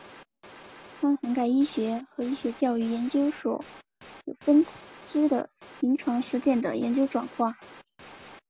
它涵盖医学和医学教育研究所有分支的临床实践的研究转化。